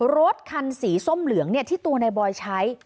รถคันสีส้มเหลืองที่ตัวนายบอยใช้